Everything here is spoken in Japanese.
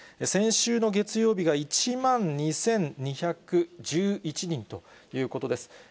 先週の月曜日が１万２２１１人ということです。